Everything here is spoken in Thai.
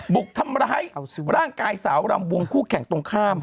บุกทำร้ายร่างกายสาวรำวงคู่แข่งตรงข้าม